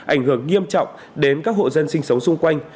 ảnh hưởng nghiêm trọng đến các hộ dân sinh sống xung quanh